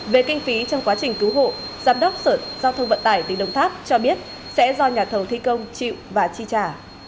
về kinh phí trong quá trình cứu hộ giám đốc sở giao thông vận tải tỉnh đồng tháp cho biết sẽ do nhà thầu thi công chịu và chi trả